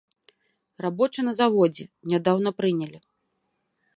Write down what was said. Рабочы на заводзе, нядаўна прынялі.